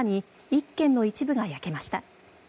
１軒の一部が焼けました。